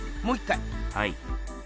はい。